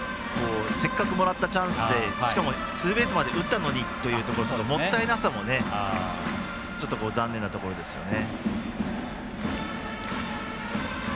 せっかくもらったチャンスでツーベースまで打ったのにというところでもったいなさも残念なところですよね。